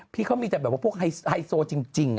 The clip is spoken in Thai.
พี่เขามีแต่แบบว่าพวกไฮโซจริง